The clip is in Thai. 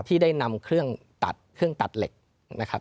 ที่ได้นำเครื่องตัดเครื่องตัดเหล็กนะครับ